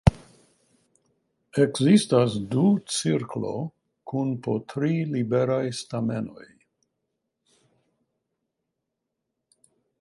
Ekzistas du cirklo kun po tri liberaj stamenoj.